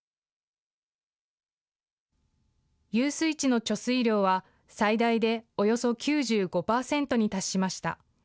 遊水地の貯水量は最大でおよそ９５％に達しました。